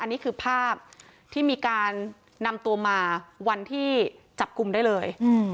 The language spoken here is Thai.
อันนี้คือภาพที่มีการนำตัวมาวันที่จับกลุ่มได้เลย